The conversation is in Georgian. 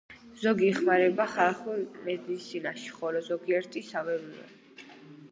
ზოგი იხმარება ხალხურ მედიცინაში, ხოლო, ზოგიერთი სარეველაა.